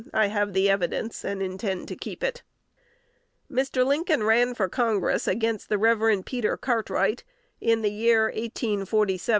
I have the evidence, and intend to keep it. Mr. Lincoln ran for Congress, against the Rev. Peter Cartwright, in the year 1847 or 1848.